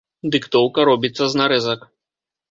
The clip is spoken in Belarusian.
Дыктоўка робіцца з нарэзак.